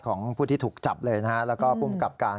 ของผู้ที่ถูกจับเลยนะฮะแล้วก็ภูมิกับการ